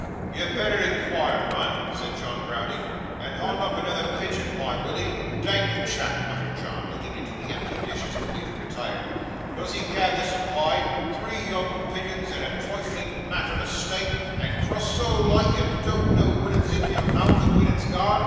'Ye'd betther inquire, mun,' said John Browdie. 'An' hond up another pigeon pie, will 'ee? Dang the chap,' muttered John, looking into the empty dish as the waiter retired; 'does he ca' this a pie three yoong pigeons and a troifling matther o' steak, and a crust so loight that you doant know when it's in your mooth and when it's gane?